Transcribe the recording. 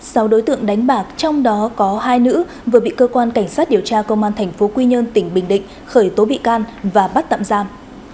sau đối tượng đánh bạc trong đó có hai nữ vừa bị cơ quan cảnh sát điều tra công an tp quy nhơn tỉnh bình định khởi tố bị can và bắt tạm giam